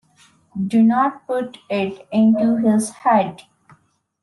Do not put it into his head.